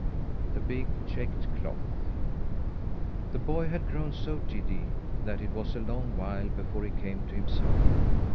THE BIG CHECKED CLOTH The boy had grown so giddy that it was a long while before he came to himself.